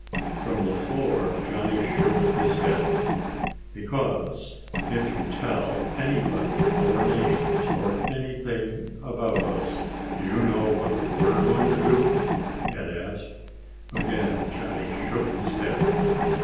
From the floor Johnny shook his head. "Because if you tell anybody our names or anything about us, you know what we're going to do?" Ed asked. Again Johnny shook his head.